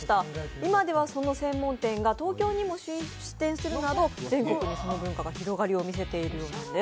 今ではその専門店が東京にも進出するなど全国にその文化が広がりを見せているんです。